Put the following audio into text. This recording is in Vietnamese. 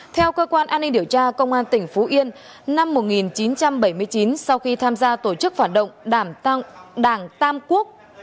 theo cơ quan an ninh điều tra công an tỉnh phú yên năm một nghìn chín trăm bảy mươi chín sau khi tham gia tổ chức phản động đảm tăng đảng tam quốc